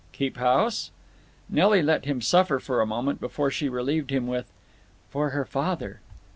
"Keep house?" Nelly let him suffer for a moment before she relieved him with, "For her father."